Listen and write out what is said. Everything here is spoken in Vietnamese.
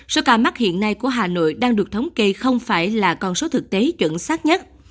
số ca mắc hiện nay của hà nội đang được thống kê không phải là con số thực tế chuẩn xác nhất